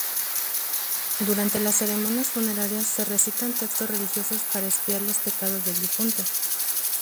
Durante las ceremonias funerarias se recitan textos religiosos para expiar los pecados del difunto.